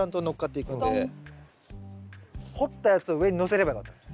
掘ったやつを上にのせればよかったの。